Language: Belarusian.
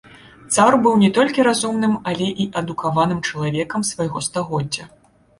Цар быў не толькі разумным, але і адукаваным чалавекам свайго стагоддзя.